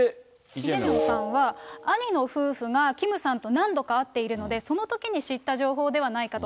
イ・ジェミョンさんは兄の夫婦がキムさんと何度か会っているので、そのときに知った情報ではないかと。